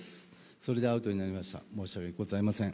それでアウトになりました、申し訳ございません。